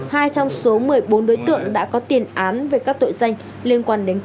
hai trong số một mươi bốn đối tượng đã có tiền án về các tội danh liên quan đến